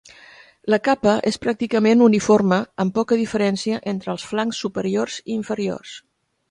La capa és pràcticament uniforme amb poca diferència entre els flancs superiors i inferiors.